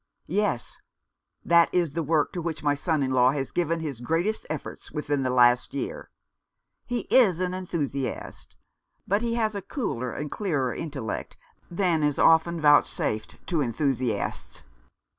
"Yes, that is the work to which my son in law has given his greatest efforts within the last year. He is an enthusiast ; but he has a cooler and clearer intellect than is often vouchsafed to enthusiasts."